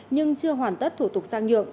nhưng chưa hoàn tất thủ tục sang nhượng